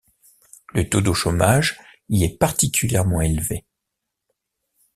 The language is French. Le taux de chômage y est particulièrement élevé.